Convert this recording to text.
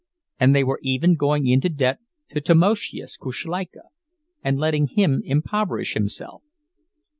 And they were even going into debt to Tamoszius Kuszleika and letting him impoverish himself.